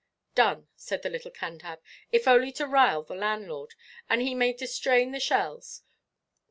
"Done," said the little Cantab, "if only to rile the landlord, and he may distrain the shells.